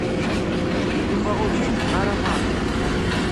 Yuba ur ifehhem ara Mary.